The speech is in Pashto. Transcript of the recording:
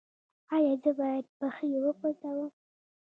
ایا زه باید پښې وغځوم؟